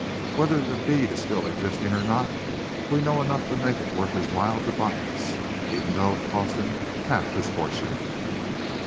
Whether the deed is still existing or not, we know enough to make it worth his while to buy us, even though it costs him half his fortune."